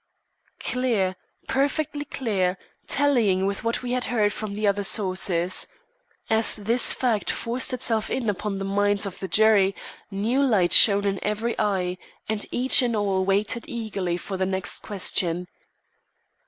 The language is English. Clear, perfectly clear tallying with what we had heard from other sources. As this fact forced itself in upon the minds of the jury, new light shone in every eye and each and all waited eagerly for the next question.